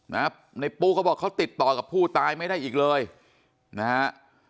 ในปูเขาบอกเขาติดต่อกับผู้ตายไม่ได้อีกเลยนะฮะ